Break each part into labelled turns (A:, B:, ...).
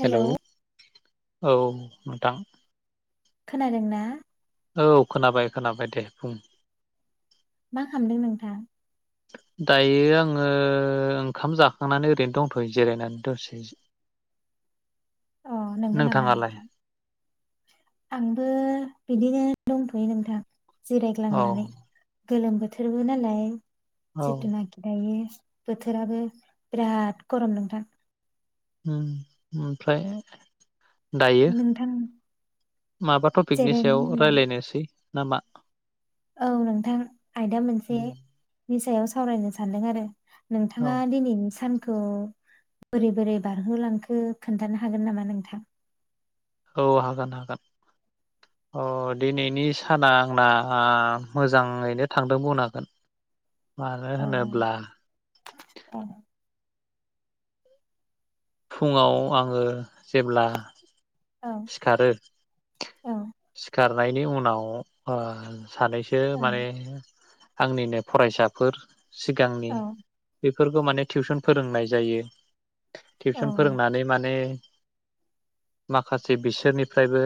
A: Hello
B: औ नोंथां
A: खोनादों ना?
B: औ खोनाबाय खोनाबाय दे बुं।
A: मा खामदों नोंथां?
B: दायो आङो ओंखाम जाखांनानै ओरैनो दंथ'यो जिरायनानै दसे
A: अ नंगौ नामा
B: नोंथाङालाय
A: नोंथां आंबो बिदिनो दंथयो नोंथां।
B: औ
A: जिरायग्लांनानै गोलोम बोथोरबो नालाय
B: औ
A: जिथु नाखि दायो बोथोराबो बिराद गरम नोंथां।
B: ओम ओमफ्राय दायो
A: नोंथां
B: माबा टपिकनि सायाव
A: जिरायनानै दं
B: रायलायनोसै नामा
A: औ नोंथां आयदा मोनसे नि सायाव सावरायनो सान्दों आरो। नोंथाङा
B: औ
A: दिनैनि सान खौ बोरै बोरै बारहोलांखो खोन्थानो हागोन नामा नोंथां?
B: औ हागोन हागोन अ दिनैनि साना आंना मोजाङैनो थांदों बुंनांगोन। मानो
A: औ
B: होनोब्ला
A: औ
B: फुङाव आङो जेब्ला
A: औ
B: सिखारो
A: औ औ
B: सिखार नायनि उनाव ओ सानैसो माने
A: औ
B: आंनिनो फरायसाफोर सिगांनि बेफोरखौ माने टिउसन फोरोंनाय जायो।
A: औ
B: टिउसन फोरोंनानै माने माखासे बिसोरनिफ्रायबो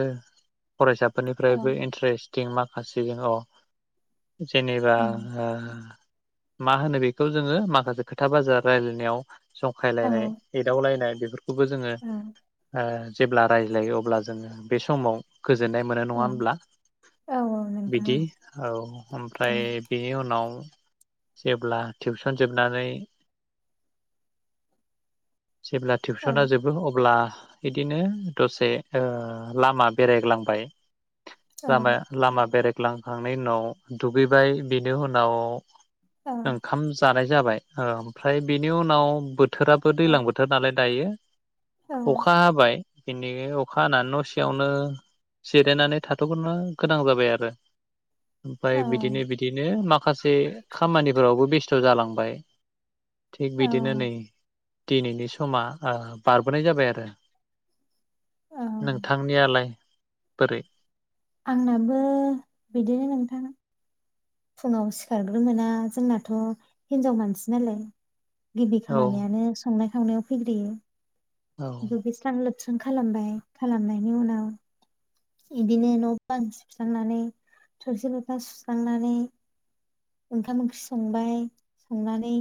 B: फरायसाफोरनिफ्रायबो इन्टारेस्टिं माखासे जोंङो अ जेनेबा ओ मा होनो बेखौ जोङो माखासे खोथा बाजार रायलायनायाव
A: औ
B: जंखायलायनाय एदावलायनाय बेफोर खौबो जोङो
A: औ
B: ओ जेब्ला रायलायो अब्ला जोङो बे समाव गोजोननाय मोनो नङा
A: औ
B: होनोमब्ला
A: औ औ नोंथां
B: बिदि औ
A: औ
B: ओमफ्राय बेनि उनाव जेब्ला टिउसनजोबनानै जेब्ला
A: औ
B: टिउसना जोबो अब्ला इदिनो दसे ओ लामा बेरायग्लांबाय लामा लामा बेराय लांखांनायनि उनाव दुगैबाय बेनो उन नाव
A: औ
B: ओंखाम जानाय जाबाय ओमफ्राय बेनि उनाव बोथोराबो
A: औ
B: दैज्लां बोथोर नालाय दायो। अखा हाबाय दिनै अखा हानानै नसियावनो जिरायनानै थाथ'ग्रनो गोनां जाबाय आरो
A: औ
B: ओमफाय बिदिनो बिदिनो माखासे खामानिफोरावबो बेस थ' जालांबाय थिग
A: औ
B: बिदिनो नै दिनैनि समा ओ बारबोनाय जाबाय आरो।
A: औ
B: नोंथांनियालाय बोरै
A: आंनाबो बिदिनो नोंथां फुङाव सिखारग्रोमोना जोंनाथ' हिनजाव मानसि नालाय गिबि
B: औ
A: खामानियानो संनाय खावनायाव फैग्रोयो। दुगैस्रां लोब स्रां खालामबाय खालामनायनि उनाव इदिनो न' बां सुस्रांनानै थोरसि लथा सुस्रांनानै ओंखाम ओंख्रि संबाय संनानै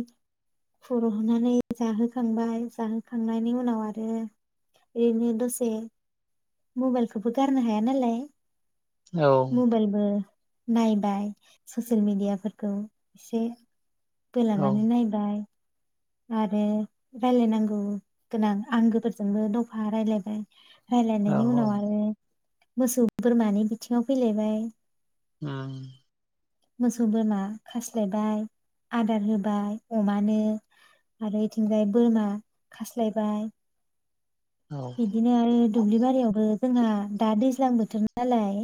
A: खुरहनानै जाहोखांबाय जाहोखांनायनि उनाव आरो ओरैनो दसे मबाइलखौबो गारनो हाया नालाय
B: औ
A: मबाइलबो नायबाय ससियेल मिडियाफोरखौ एसे
B: औ
A: बोलानानै नायबाय आरो रायलायनांगौ गोनां आंगोफोरजोंबो दफा रायलायबाय
B: औ
A: रायलायनायनायनि उनाव आरो मोसौ बोरमानि बिथिङाव फैलायबाय
B: उम
A: मोसौ बोरमा खास्लायबाय आदार होबाय अमानो आरो बेथिंजाय बोरमा खास्लायबाय
B: औ
A: बिदिनो आरो दुब्लि बारियावबो जोंहा दा दै दैज्लां बोथोर नालाय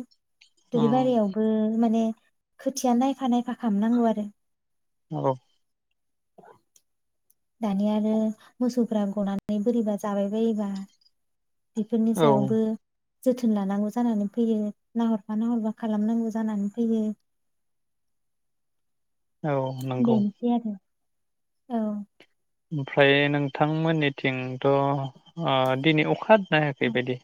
B: उम
A: दुरबारियावबो माने खोथिया नायफा नायफा खालामामनांगौ आरो
B: औ
A: दानिया आरो मोसौफ्रा गनानै बोरैबा जाबाय बायोबा बेफोरनि
B: औ
A: सायावबो जोथोन लानांगौ जानानै फैयो नाहरबा नाहरबा खालामनांगौ जानानै फैयो।
B: औ नंगौ।
A: बेनोसै आरो औ
B: ओमफ्राय नोंथांमोननिथिंथ ओ दिनै अखा
A: औ
B: हायाखैबायदि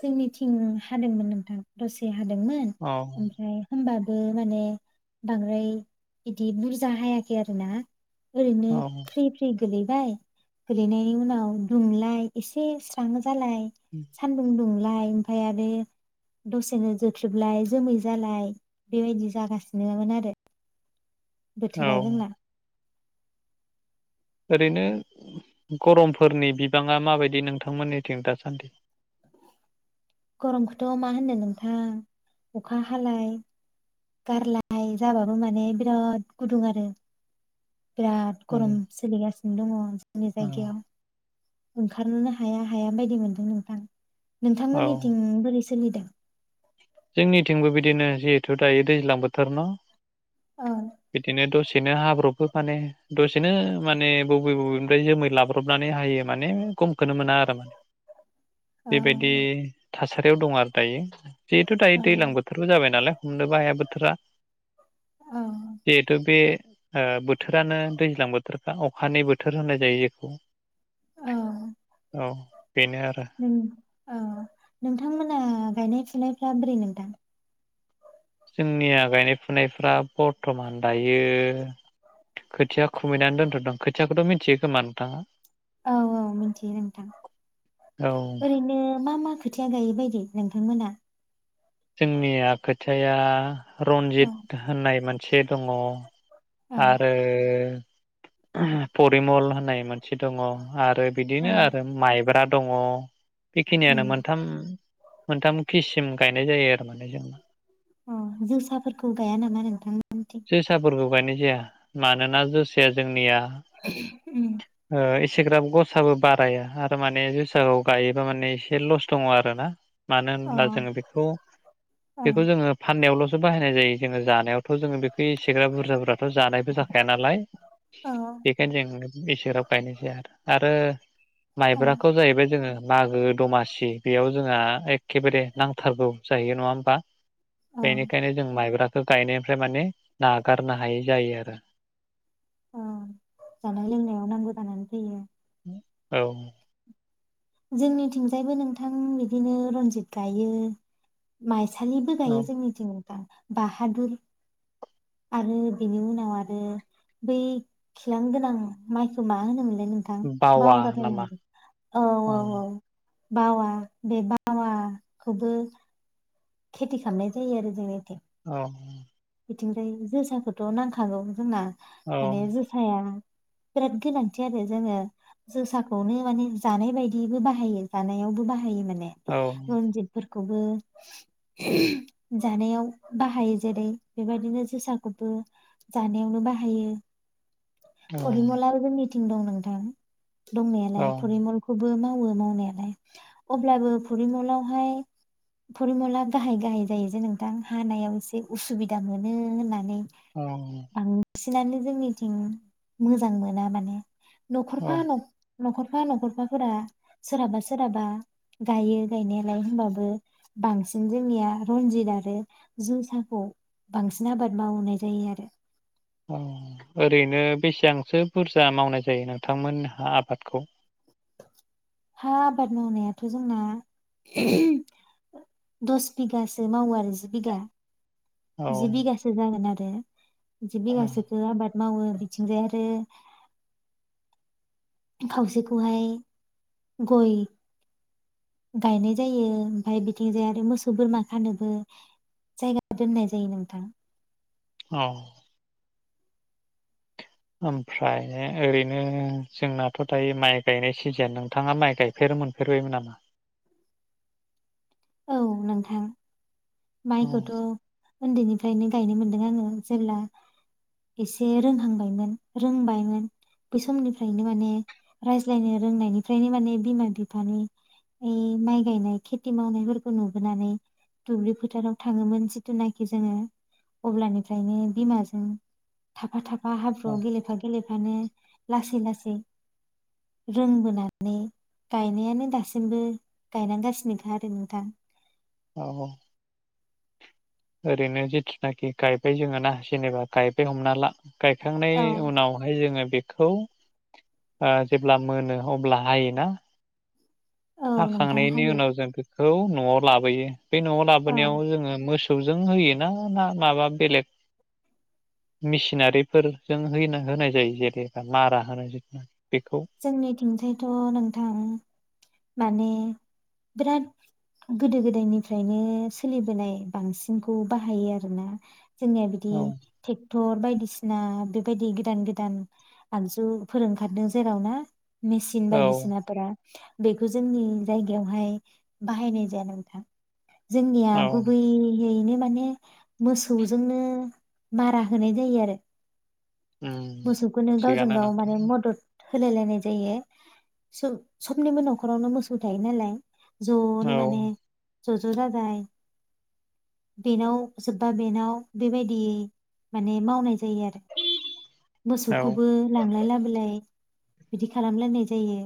A: जोंनिथिं हादोंमोन नोंथां दसे। हादोंमोन
B: औ
A: ओमफ्राय होनबाबो बो माने बांद्राय बिदि बुरजा हायाखै आरो ना। ओरैनो
B: औ
A: फ्रि फ्रि गोलैबाय गोलैनायनि उनाव दुंलाय एसे स्रां जालाय सान्दुं दुंलाय ओमफाय बे दसेनो जोख्रेबलाय जोमै जालाय बेबायदि जागासिनोमोन आरो।
B: औ
A: बोथोरा जोंना।
B: ओरैनो गरमफोरनि बिबाङा माबायदि नोंथांमोननिथिं दासान्दि?
A: गरमखौथ मा होनो नोंथां अखा हालाय गारलाय जाबाबो माने बिराद गुदुं आरो। बिराद
B: औ
A: गरम सोलिगासिनो दङ जोंनि
B: औ
A: जायगायाव। ओंखारनोनो हाया हाया बायदि मोनदों नोंथां।
B: औ
A: नोंथांमोननि बोरै सोलिदों।
B: जोंनिथिंबो बिदिनो जिहेथु दायो दैज्लां बोथोर ना।
A: औ
B: बिदिनो दसे सेनो हाब्रबबो माने दसेनो माने बबे बबेनिफ्राय जोमै लाब्रबनानै हायो माने खम खौनो मोना आरोना
A: औ
B: बे बादि थासारियाव दं आरो दायो। जिहेथु दायो
A: औ
B: दैज्लां बोथोरबो जाबाय नालाय हमनोबो हाया बोथोरा
A: औ
B: जिहेथु बे ओ बोथोरानो दैज्लां बोथोरखा अखानि बोथोर होननाय जायो जेखौ।
A: औ
B: औ बेनो आरो
A: नों ओ नोंथांमोना गायनाय फुनायफ्रा ब्रोरै नोंथां।
B: जोंनिया गायनाय फुनायफ्रा बरथमान दायो खोथिया खुबैनानै दोन्थदों खोथियाखौथ मिथियो खोमा नोंथाङा?
A: औ औ मिथियो नोंथां
B: औ
A: ओरैनो मा मा खोथाया गायो बायदि नोंथां मोना?
B: जोंनिया खोथायाया
A: औ
B: रनजित होननाय मोन से दङ
A: औ
B: आरो ओ परिमल होननाय मोनसे दङ आरो बिदिनो
A: औ
B: आरो माइब्रा दङ। बेखिनियानो
A: उम
B: मोनथाम मोनथाम खिस सिम गाय नाय जायो आरो माने जोंना
A: अ जोसाफोरखौ गाया नामा नोंथांमोनथि?
B: जोसाफोरखौ गायनाय जाया मानोना जोसाया जोंनिया।
A: ओम
B: ओ एसेग्राब गसाबो बाराया आरो माने जोसाखौ गायोबा माने एसे लस दङ आरोना। मानो
A: अ
B: होनब्ला जोङो बेखौ
A: अ
B: बेखौ जोङो यावल'सो बाहायनाय जायो जोङो जानायाव थ' जोङो बेखौ एसेग्राब बुरजाफोराथ' जानायबो जाखाया नालाय
A: अ
B: बेखायनो जों एसेग्राब गायनाय जाया आरो
A: अ
B: माइब्राखौ जाहैबाय जोङो मागो दमासि बेयाव जोंहा एखेबारे नां औ जाहैयो नङा होमबा?
A: अ
B: बेनिखायनो जों माइब्रा बेखौ गायनायनिफ्राय माने नागारनो हायै जायो आरो।
A: अ जानाय लोंनायाव नांगौ जानानै फैयो।
B: औ
A: जोंनिथिंजायबो नोंथां बिदिनो रनजित गायो माइ। सालिबो गायो
B: औ
A: जोंनिथिं बाहादुर आरो बेनि उनाव आरो बै खिलां गोनां माइखौ मा होनोमोन। नोंथां
B: बावा नामा
A: बावगारलायलांबाय औ। अ औ बावा बे बावाखौबो खेथि खालामनाय जायो आरो जोंनिथिं
B: अ
A: बिथिंजाय जोसाखौथ' नांखागौ जोंना
B: औ
A: माने जोसाया बिराद गोनांथि आरो जोङो जोसाखौनो माने जानाय बायदिबो बाहायो जानायावबो बाहायो माने
B: औ
A: रनजित फोर खौबो जानायाव बाहायो जेरै बेबायदिनो जोसाखौबो जानायावनो बाहायो फरिमलाबो जोंनि थिं दं नोंथां
B: औ
A: दंनायालाय फरिमलखौबो मा मावो मावनायालाय अब्लाबो फरिमलाहाय फरिमला गाहाय गाहाय जायोजे नोंथां हानायाव एसे उसुबि मोजां मोनो होननानै
B: अ
A: बांसिनानो जोंनिथिं मोजां मोना माने न'खर फा
B: औ
A: न' न'खरफा न'खरफाफोरा सोरहाबा सोरहाबा गायो गायनायालाय होनबाबो बांसिन जोंनिया रनजित आरो जोसाखौ बांसिन आबाद मावनाय जायो आरो।
B: औ ओरैनो बेसेबांसो बुरजा मावनाय जायो नोंथांमोनहा आबादखौ?
A: हा आबाद मावनायाथ' जोंना दस बिगासो मावो आरो जि बिगा।
B: औ
A: जि बिगासो जागोन आरो। बे जि बिगासोखो आबाद मावो बिथिंजाय आरो खावसेखौहाय गय गायनाय जायो ओमफाय बिथिं जाय आरो मोसौ बोरमा खानोबो जायगा दोननाय जायो नोंथां।
B: औ ओमफ्राय ओरैनो जोंनाथ' दायो माइ गायनाय सिजोन नोंथाङा माइ गायफेरो मोनफेरबायमोन नामा?
A: औ नोंथां।
B: औ
A: माइखौथ' उन्दैनिफ्रायनो गायनो मोनदों आङो जेब्ला एसे रोंहांबायमोन रोंबायमोन बै समनिफ्रायनो माने रायज्लायनो रोंनायनिफ्रायनो माने बिमा बिफानि ओइ माइ गायनाय खेथि मावनाय खौ नुबोनानै दुब्लि फोथाराव थाङोमोन जिथुनाखि जोङो अब्लानिफ्रायनो बिमाजों थाफा थाफा फा
B: औ
A: हाब्रुआव गेलेफा गेलेफा ओंखानो लासै लासै रोंबोनानै गायनायानो दासिमबो गायनांगासिनोखा आरो नोंथां।
B: औ ओरैनो जिथुनाखि गायबाय जोङोना जेनेबा गायबाय हमना ला। गायखांनाय
A: औ
B: उनावहाय जोङो बे खौ ओ जेब्ला मोनो अब्ला हायोना।
A: औ नोंथां
B: हाखांनायनि
A: हायो
B: उनाव जों खौ न'आव लाबोयो बे न'आव
A: औ
B: लाबोनायाव जोङो मोसौजों होयोना ना माबा बेलेग मिसिनारिफोरजों होनाय जायो जेरेबा मारा होनाय [unintelligible]
A: जोंनिथिंथायथ' नोंथां माने बिराद गोदो-गोदायनिफ्रायनो सोलिबोनाय बांसिनखौ बाहायो आरोना जोंनिया बिदि
B: औ
A: टेक टर बायदिसिना बेबायदि गोदान गोदान आगजु फोर ओंखारदों। जेरावना मेसिन
B: औ
A: बायदिसिनाफोरा बेखौ जोंनि जायगायावहाय बाहायनाय जाया नोंथां। जोंनिया
B: औ
A: गुबैयैनो माने मोसौजोंनो मारा होनाय जायो आरो
B: उम
A: मोसौखौनो गावजों
B: थिगानो
A: गाव
B: नोंथां
A: माने मदद होलाय लायनाय जायो सो सबनिबो न'खरावनो मोसौ थायो नालाय ज'नो
B: औ
A: माने ज' ज' जाबाय बेनाव जोबबा बेनाव बेबायदियै माने मावनाय जायो आरो
B: औ
A: मोसौखौबो लांलाय लाबोलाय बिदि खालामलायनाय जायो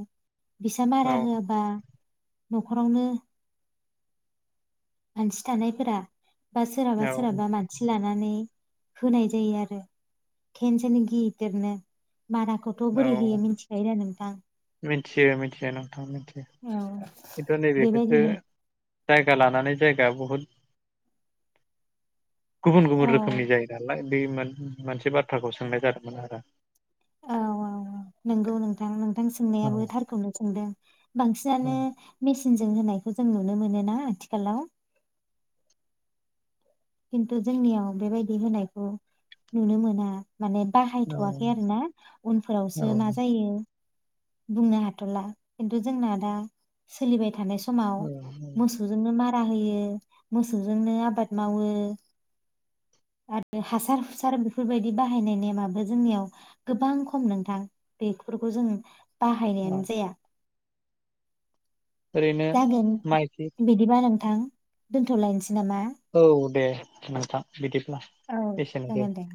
A: बिसा
B: औ
A: मारा होआबा न'खरावनो मानसि थानायफोरा बा
B: औ
A: सोरहाबा सोरहाबा मानसि लानानै होनाय जायो आरो केेन सेनो गिदिरनो माराखौथ' बोरै होयो
B: औ
A: मिथिखायोदा नोंथां
B: मिथियो मिथियो नों थां मोनथि खिथु नैबेखौसो
A: बेबायदिनो
B: जायगा लानानै जायगा बुहुद गुबुन गुबुन
A: औ
B: रोखोमनि जायो नालाय बे मोन मोनसे बाथ्राखौ सोंनाय जादोंमोन आरो
A: औ औ औ नंगौ नोंथां नोंथां सोंनायाबो थारखौनो सोंदों बांसिनानो जों होनायखौ जों नुनो मोनो ना आथिखालाव खिन्थु जोंनियाव बेबायदि होनायखौ नुनो मोना माने बाहायथ'वाखै आरो
B: औ-औ-औ-औ-औ
A: ना उनफोरावसो मा जायो बुंनो हाथ'ला खिन्थु जोंना दा सोलिबाय थानाय सम समाव मोसौजोंनो मारा रा होयो मोसौजोंनो आबाद मावो आरो हासार हुसार बेफोरबायदि बाहायनाय नेमाबो जोंनियाव गोबां खम नोंथां बेफोरखौ जों बाहायनायानो जाया
B: ओरैनो
A: जागोन
B: माइखि
A: बिदिबा नोंथां दोन्थ'लायनोसै नामा
B: औ दे नोंथां बिदि
A: औ
B: एसेनो सै
A: जागोन दे।